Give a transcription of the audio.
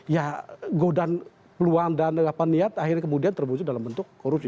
ya godan peluang dan niat akhirnya kemudian terwujud dalam bentuk korupsi